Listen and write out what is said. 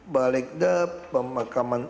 balik dah pemakaman